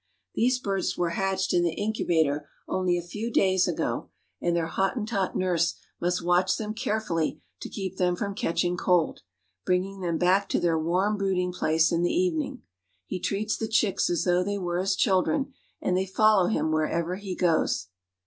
These birds were hatched in the incubator only a few days ago, and their Hottentot nurse must watch them carefully to keep them from catching cold, bringing them back to their warm brooding place in the evening. He treats the chicks as though they were his children, and they follow him wherever he goes.